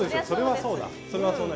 それはそうなる。